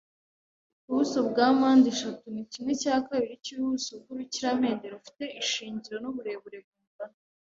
Ubuso bwa mpandeshatu ni kimwe cya kabiri cyubuso bwurukiramende rufite ishingiro nuburebure bungana